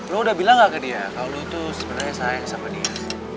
lo udah bilang gak ke dia kalau lu tuh sebenarnya sayang sama dia